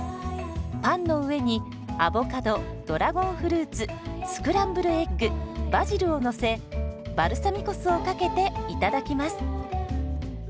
パンの上にアボカドドラゴンフルーツスクランブルエッグバジルをのせバルサミコ酢をかけていただきます。